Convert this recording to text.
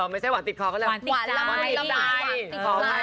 ไม่ใช่หวานติดคอก็เลยหวานติดใจ